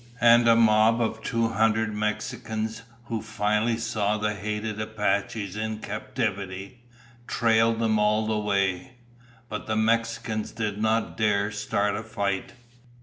And a mob of two hundred Mexicans, who finally saw the hated Apaches in captivity, trailed them all the way. But the Mexicans did not dare start a fight.